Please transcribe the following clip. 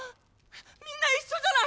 みんな一緒じゃない！